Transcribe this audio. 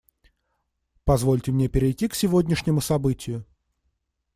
Позвольте мне перейти к сегодняшнему событию.